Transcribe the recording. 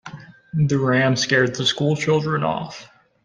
The ram scared the school children off.